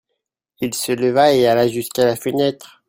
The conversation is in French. Il se leva et alla jusqu'à la fenêtre.